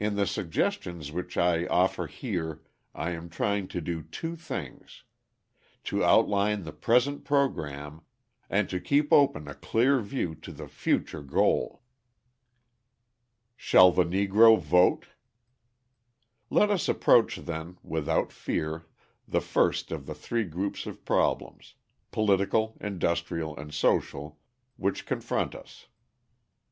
In the suggestions which I offer here I am trying to do two things: to outline the present programme, and to keep open a clear view to the future goal. Shall the Negro Vote? Let us approach, then, without fear the first of the three groups of problems political, industrial, and social which confront us.